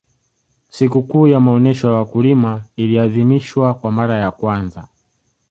Sikukuu ya maonyesho ya wakulima iliadhimiahwa kwa mara ya kwanza